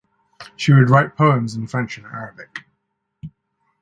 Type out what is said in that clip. She would write poems in French and Arabic.